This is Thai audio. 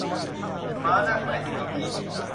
ม้านั่ง หมายถึงเก้าอี้